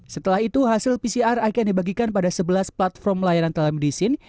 setelah itu hasil pcr akan dibagikan pada sebelas platform layanan telemedicine